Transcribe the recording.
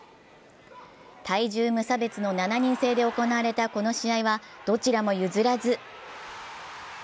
体重無差別の７人制で行われたこの試合はどちらも譲らず。